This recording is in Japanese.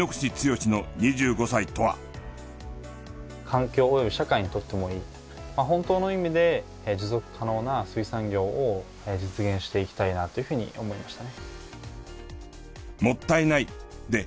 環境及び社会にとってもいい本当の意味で持続可能な水産業を実現していきたいなというふうに思いましたね。